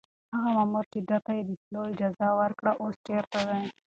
هغه مامور چې ده ته يې د تلو اجازه ورکړه اوس چېرته دی؟